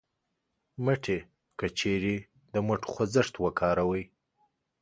مټې : که چېرې د مټو خوځښت وکاروئ